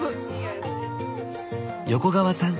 横川さん